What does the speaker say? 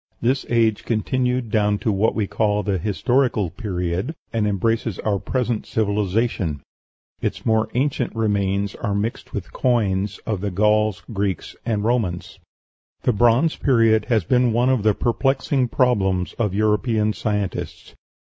This age continued down to what we call the Historical Period, and embraces our present civilization; its more ancient remains are mixed with coins of the Gauls, Greeks, and Romans. The Bronze Period has been one of the perplexing problems of European scientists.